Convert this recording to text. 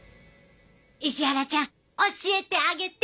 石原ちゃん教えてあげて。